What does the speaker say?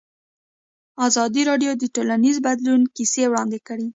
ازادي راډیو د ټولنیز بدلون کیسې وړاندې کړي.